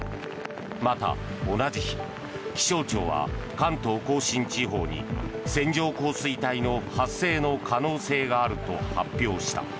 また同じ日、気象庁は関東・甲信地方に線状降水帯の発生の可能性があると発表した。